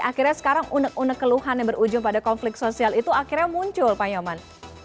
akhirnya sekarang unek unek keluhan yang berujung pada konflik sosial itu akhirnya muncul pak nyoman